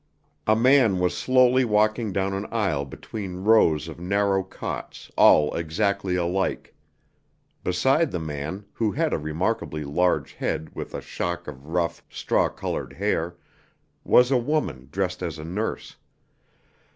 A man was slowly walking down an aisle between rows of narrow cots all exactly alike. Beside the man, who had a remarkably large head with a shock of rough, straw colored hair, was a woman dressed as a nurse.